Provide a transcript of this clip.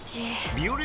「ビオレ」